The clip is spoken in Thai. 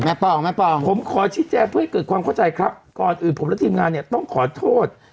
ปองแม่ปองผมขอชี้แจงเพื่อให้เกิดความเข้าใจครับก่อนอื่นผมและทีมงานเนี่ยต้องขอโทษ